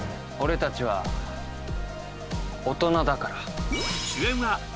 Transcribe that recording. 俺たちは大人だから。